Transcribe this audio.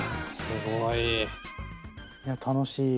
すごい。